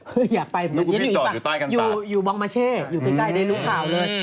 เห้ยอยากไปเหมือนอยู่อีกฝั่งอยู่มองมะเช่อยู่ใกล้ได้รู้ข่าวเลย